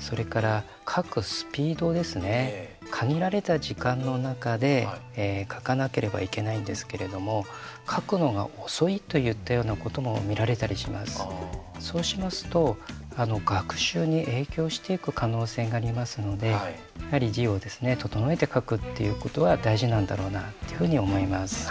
それから書くスピードですね限られた時間の中で書かなければいけないんですけれどもそうしますと学習に影響していく可能性がありますのでやはり字を整えて書くっていうことは大事なんだろうなというふうに思います。